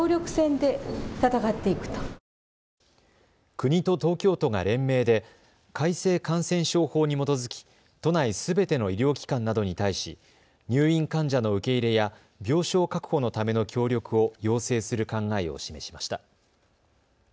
国と東京都が連名で改正感染症法に基づき都内すべての医療機関などに対し入院患者の受け入れや病床確保のための協力を要請する考えを示しました。